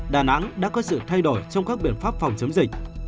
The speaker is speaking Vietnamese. đà nẵng đã có sự thay đổi trong các biện pháp phòng chống dịch